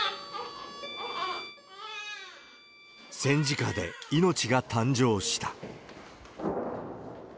戦時下で命が誕生した。